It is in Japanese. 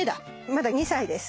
まだ２歳です。